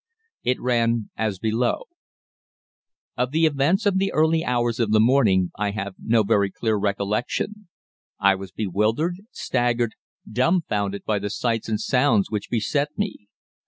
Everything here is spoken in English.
It ran as below: "Of the events of the early hours of the morning I have no very clear recollection. I was bewildered, staggered, dumbfounded by the sights and sounds which beset me.